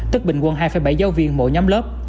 tức bình quân hai bảy giáo viên mỗi nhóm lớp